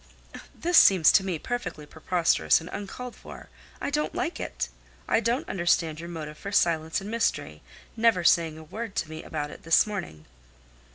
"This seems to me perfectly preposterous and uncalled for. I don't like it. I don't understand your motive for silence and mystery, never saying a word to me about it this morning."